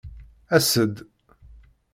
As-d!